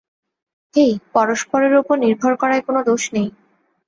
হেই, পরষ্পরের ওপর নির্ভর করায় কোনো দোষ নেই।